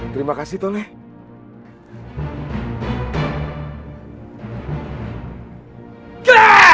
terima kasih toleng